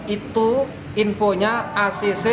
itu infonya acc